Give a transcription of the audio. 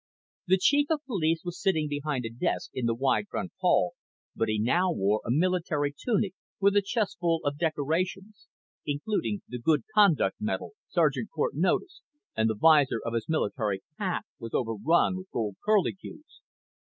The chief of police was sitting behind a desk in the wide front hall but he now wore a military tunic with a chestful of decorations (including the Good Conduct Medal, Sergeant Cort noticed), and the visor of his military cap was overrun with gold curlicues.